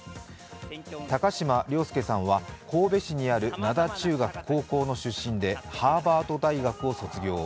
高島崚輔さんは神戸市にある灘中学・高校の出身でハーバード大学を卒業。